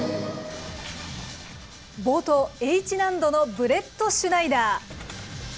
冒頭、Ｈ難度のブレットシュナイダー。